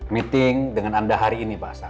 meeting dengan anda hari ini pak asa